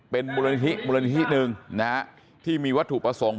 เป็นมูลนิธิหนึ่งที่มีวัตถุประสงค์